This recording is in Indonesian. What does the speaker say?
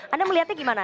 anda melihatnya bagaimana